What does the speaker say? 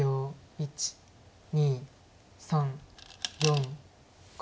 １２３４５。